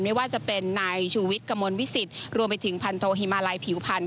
ไม่ว่าจะเป็นนายชูวิทย์กระมวลวิสิตรวมไปถึงพันโทฮิมาลัยผิวพันธ